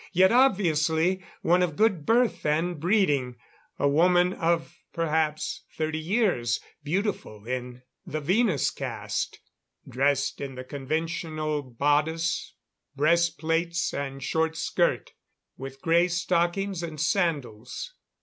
Yet, obviously, one of good birth and breeding. A woman of perhaps 30 years, beautiful in the Venus cast; dressed in the conventional bodice breast plates and short skirt, with grey stockings and sandals.